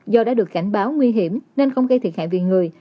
do đã được cảnh báo nguy hiểm nên không gây thiệt hại về người